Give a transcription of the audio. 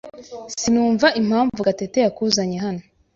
Sinumva impamvu Gatete yakuzanye hano.